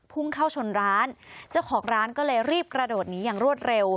พุ่งเข้าชนร้านเจ้าของร้านก็เลยรีบกระโดดหนีอย่างรวดเร็ว